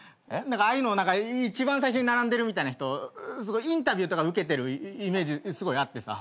ああいうの一番最初に並んでるみたいな人インタビューとか受けてるイメージすごいあってさ。